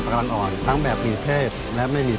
ไปดูกันค่ะว่าหน้าตาของเจ้าปาการังอ่อนนั้นจะเป็นแบบไหน